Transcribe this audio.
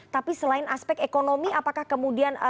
tapi selain aspek ekonomi apakah kemudian